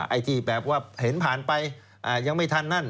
ไอ้ที่แบบว่าเห็นผ่านไปยังไม่ทันนั่น